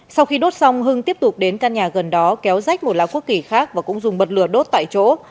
sau khi đốt xong hưng tiếp tục đến căn nhà gần đó kéo rách một lá quốc kỳ khác và cũng dùng bật lửa đốt tại chỗ